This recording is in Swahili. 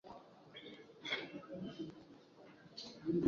Reagan Mugume wa Kituo cha Utafiti wa Sera za Uchumi